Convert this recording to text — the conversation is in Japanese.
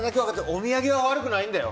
お土産は悪くないんだよ。